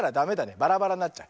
バラバラになっちゃう。